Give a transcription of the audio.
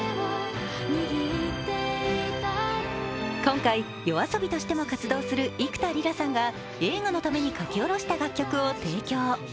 今回、ＹＯＡＳＯＢＩとしても活動する幾田りらさんが映画のために書き下ろした楽曲を提供。